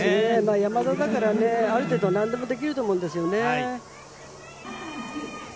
山田だからある程度なんでもできると思うんですよね。